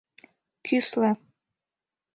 — Кӱсле